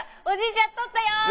おじいちゃんとったよ！